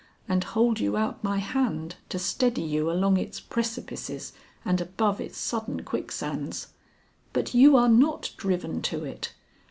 and hold you out my hand to steady you along its precipices and above its sudden quicksands. But you are not driven to it.